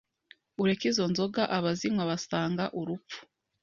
ureke izo nzoga abazinywa basanga urupfu